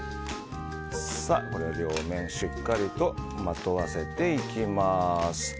これで両面しっかりとまとわせていきます。